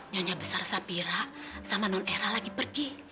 nyonya besar sapira sama non era lagi pergi